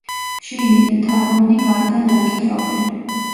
შიგნიდან თაღოვანი, გარედან არქიტრავული.